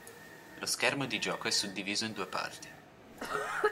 Lo schermo di gioco è suddiviso in due parti.